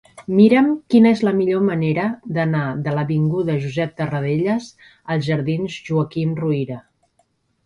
Mira'm quina és la millor manera d'anar de l'avinguda de Josep Tarradellas als jardins de Joaquim Ruyra.